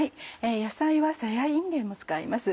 野菜はさやいんげんも使います。